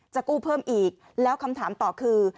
กู้เพิ่มอีกแล้วคำถามต่อคือ